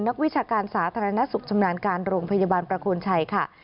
วิชาการสาธารณสุขชำนาญการโรงพยาบาลประโคนชัยค่ะ